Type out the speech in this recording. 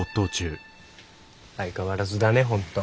相変わらずだね本当。